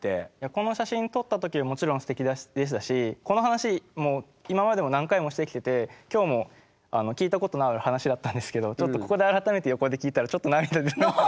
この写真撮った時もちろんすてきでしたしこの話今までも何回もしてきてて今日も聞いたことのある話だったんですけどちょっとここで改めて横で聞いたらちょっと涙出てきて。